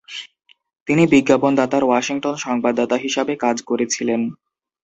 তিনি বিজ্ঞাপনদাতার ওয়াশিংটন সংবাদদাতা হিসাবে কাজ করেছিলেন।